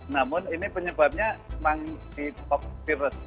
namun ini penyebabnya monkeypox virus